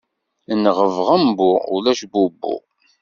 Nɣeb ɣembu ulac bubbu.